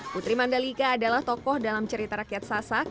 putri mandalika adalah tokoh dalam cerita rakyat sasak